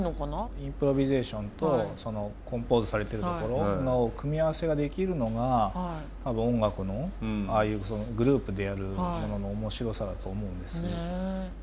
インプロビゼーションとそのコンポーズされているところの組み合わせができるのが音楽のああいうグループでやるものの面白さだと思うんです。